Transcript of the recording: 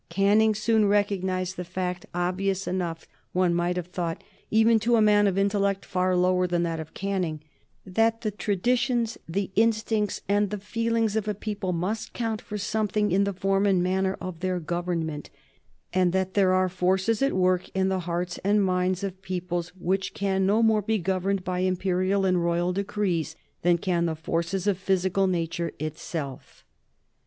Canning soon recognized the fact, obvious enough, one might have thought, even to a man of intellect far lower than that of Canning, that the traditions, the instincts, and the feelings of a people must count for something in the form and manner of their government, and that there are forces at work in the hearts and minds of peoples which can no more be governed by imperial and royal decrees than can the forces of physical nature itself.